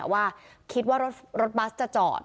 ว่าคิดว่ารถบัสจะจอด